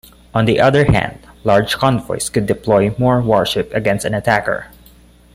On the other hand, large convoys could deploy more warships against an attacker.